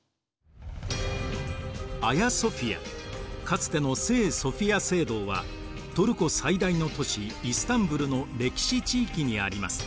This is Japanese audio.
かつての聖ソフィア聖堂はトルコ最大の都市イスタンブルの歴史地域にあります。